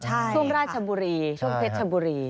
ใช่ค่ะช่วงราชชะบุรีช่วงเพชรชะบุรี